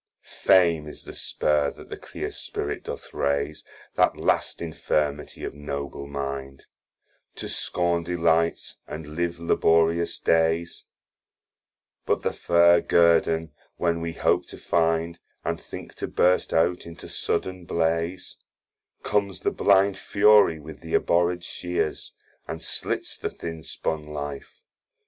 Fame is the spur that the clear spirit doth raise (That last infirmity of Noble mind) To scorn delights, and live laborious dayes; But the fair Guerdon when we hope to find, And think to burst out into sudden blaze, Comes the blind Fury with th' abhorred shears, And slits the thin spun life.